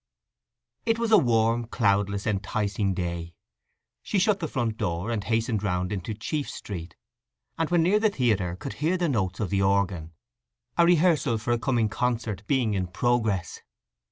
It was a warm, cloudless, enticing day. She shut the front door, and hastened round into Chief Street, and when near the theatre could hear the notes of the organ, a rehearsal for a coming concert being in progress.